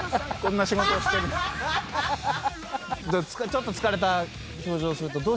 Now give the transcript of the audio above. ちょっと疲れた表情をすると。